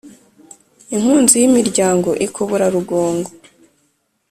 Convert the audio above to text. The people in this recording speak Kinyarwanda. inkunzi y' imiryango ikobora rugongo.